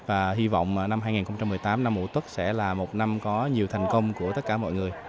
và hy vọng năm hai nghìn một mươi tám năm ngũ tốt sẽ là một năm có nhiều thành công của tất cả mọi người